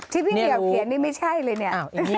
ที่พี่เหมียวเขียนนี่ไม่ใช่เลยเนี่ย